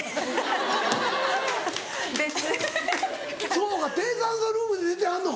そうか低酸素ルームで寝てはんの？